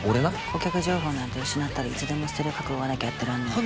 顧客情報なんて失ったらいつでも捨てる覚悟がなきゃやってらんねぇ。